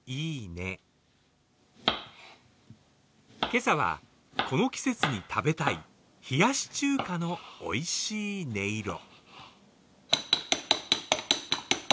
今朝は、この季節に食べたい、冷やし中華のおいしい音色。